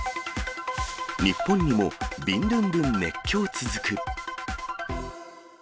日本にもビンドゥンドゥン熱狂続く。